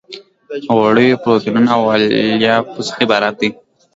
غوړیو پروتینونو او الیافو څخه عبارت دي.